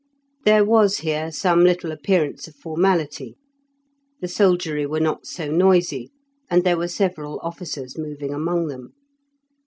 There was here some little appearance of formality; the soldiery were not so noisy, and there were several officers moving among them.